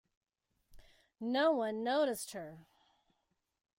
No one noticed her.